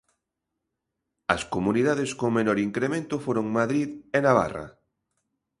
As comunidades con menor incremento foron Madrid e Navarra.